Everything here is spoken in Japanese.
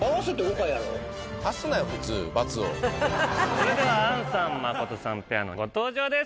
それではアンさんマコトさんペアのご登場です